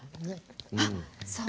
あっそう！